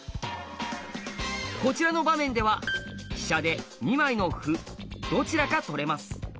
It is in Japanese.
こちらの場面では飛車で２枚の歩どちらか取れます。